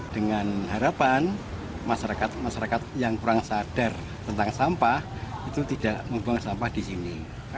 dengan harapan masyarakat masyarakat yang kurang sadar tentang sampah itu tidak membuang sampah di sini